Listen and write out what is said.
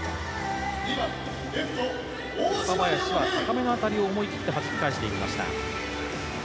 岡林は、高めの当たりを思い切ってはじき返していきました。